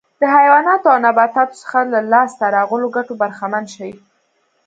د حیواناتو او نباتاتو څخه له لاسته راغلو ګټو برخمن شي.